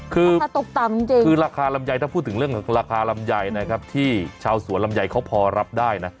คือคือราคาลำใยถ้าพูดถึงเรื่องของราคาลำใยนะครับที่ชาวสวนลำใยเขาพอรับได้นะ